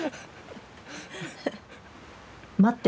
「待って。